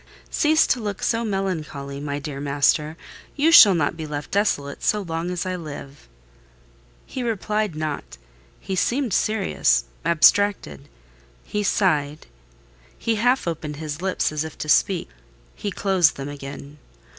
Cease to look so melancholy, my dear master; you shall not be left desolate, so long as I live." He replied not: he seemed serious—abstracted; he sighed; he half opened his lips as if to speak: he closed them again.